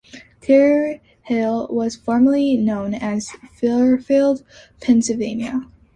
Terre Hill was formerly known as Fairville, Pennsylvania.